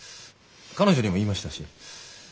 彼女にも言いましたし。